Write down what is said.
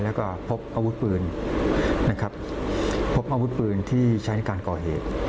แล้วก็พบอาวุธปืนนะครับพบอาวุธปืนที่ใช้ในการก่อเหตุ